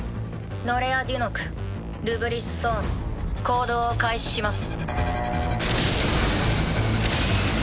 ノレア・デュノクルブリス・ソーン行動を開始します。